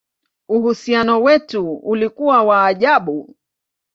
Uhusiano wetu ulikuwa wa ajabu!